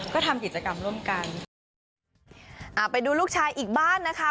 ก็ทำกิจกรรมร่วมกันอ่าไปดูลูกชายอีกบ้านนะคะ